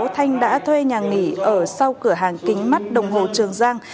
thanh đã thuê nhà nghỉ ở sau cửa hàng kính mắt đồng hồ trường giang